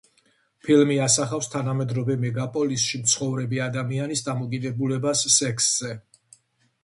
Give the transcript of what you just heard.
ფილმი ასახავს თანამედროვე მეგაპოლისში მცხოვრები ადამიანის დამოკიდებულებას სექსზე.